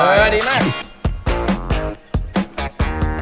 เออแดนส่วนดีมาก